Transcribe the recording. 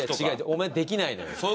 お前できないのよ。